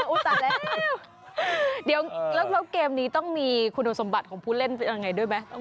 ตายแล้วเดี๋ยวแล้วเกมนี้ต้องมีคุณสมบัติของผู้เล่นเป็นยังไงด้วยไหม